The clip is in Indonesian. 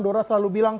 dora selalu bilang